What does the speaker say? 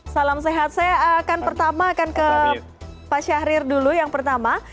salam sehat saya akan pertama akan ke pak syahrir dulu yang pertama